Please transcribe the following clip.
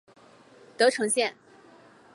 德城线